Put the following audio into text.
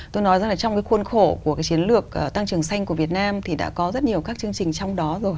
tôi nói rằng là trong cái khuôn khổ của cái chiến lược tăng trưởng xanh của việt nam thì đã có rất nhiều các chương trình trong đó rồi